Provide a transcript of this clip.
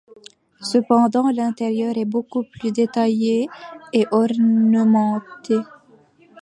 Cependant l'intérieur est beaucoup plus détaillé et ornementé.